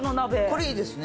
これいいですね。